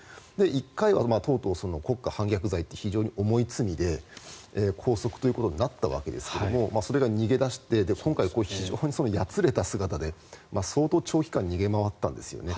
１回はとうとう国家反逆罪って非常に重い罪で拘束ということになったわけですがそれが逃げ出して今回、非常にやつれた姿で相当長期間逃げ回ったんですよね。